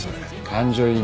感情移入。